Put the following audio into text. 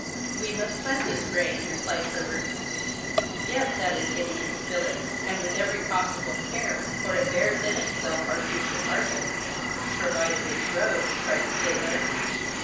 "We must plant this grain," replied Herbert. "Yes," added Gideon Spilett, "and with every possible care, for it bears in itself our future harvests." "Provided it grows!" cried the sailor.